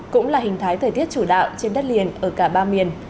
cũng là hình thái thời tiết chủ đạo trên đất liền ở cả ba miền